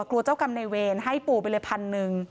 กลัวเจ้ากรรมในเวรให้ปู่ไปเลย๑๐๐๐บาท